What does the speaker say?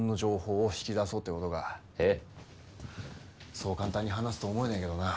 そう簡単に話すとは思えねえけどな。